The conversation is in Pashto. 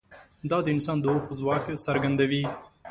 دا د انسان د هوښ ځواک څرګندوي.